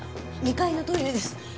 ２階のトイレです。